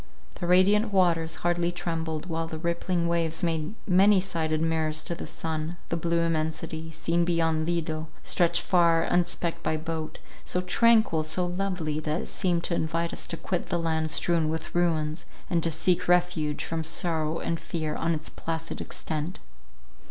The radiant waters hardly trembled, while the rippling waves made many sided mirrors to the sun; the blue immensity, seen beyond Lido, stretched far, unspecked by boat, so tranquil, so lovely, that it seemed to invite us to quit the land strewn with ruins, and to seek refuge from sorrow and fear on its placid extent.